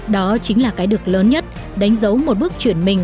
đó chính là cái được lớn nhất đánh dấu một bước chuyển mình